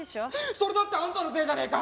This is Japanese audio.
それだってあんたのせいじゃねえか！